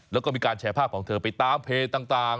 แล้วก็มีการแชร์ภาพของเธอไปตามเพจต่าง